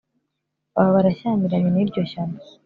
baba barashyamiranye n’iryo shyano